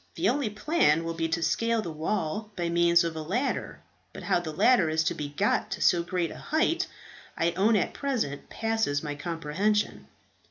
The only plan will be to scale the wall by means of a ladder; but how the ladder is to be got to so great a height, I own at present passes my comprehension."